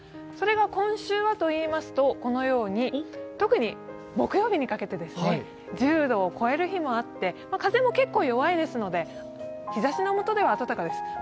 それが今週はといいますと、このように特に木曜日にかけて１０度を超える日もあって、風も結構弱いですので、日ざしのもとでは暖かです。